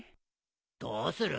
どうする？